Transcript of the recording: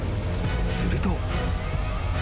［すると］